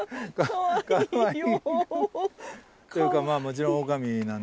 かわいいよ。